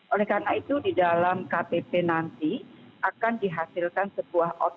oleh karena itu di dalam ktp nanti akan dihasilkan sebuah otomatis